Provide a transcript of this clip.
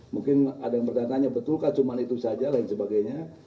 mungkin ada yang bertanya tanya betulkah cuma itu saja dan lain sebagainya